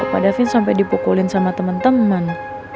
pak davin sampai dipukulin sama teman teman